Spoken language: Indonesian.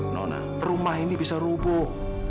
nona rumah ini bisa rubuh